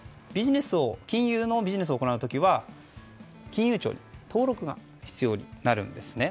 金融のビジネスを行う時は金融庁に登録が必要になるんですね。